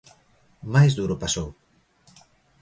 O máis duro pasou.